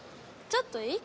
ちょっといい？